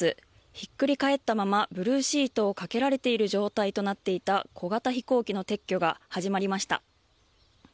ひっくり返ったままブルーシートをかけられている状態となっていた小型飛行機の撤去が始まりました。